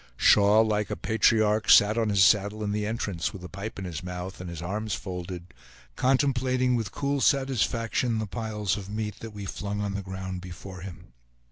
Shaw, like a patriarch, sat on his saddle in the entrance, with a pipe in his mouth, and his arms folded, contemplating, with cool satisfaction, the piles of meat that we flung on the ground before him.